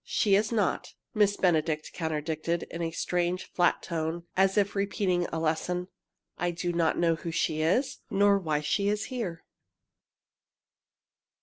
"She is not," Miss Benedict contradicted, in a strange, flat tone, as if repeating a lesson. "I do not know who she is nor why she is here!"